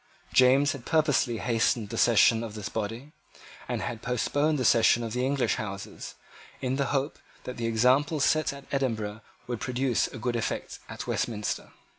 James had purposely hastened the session of this body, and had postponed the session of the English Houses, in the hope that the example set at Edinburgh would produce a good effect at Westminster.